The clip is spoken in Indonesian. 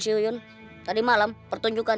sebelum saya merubikan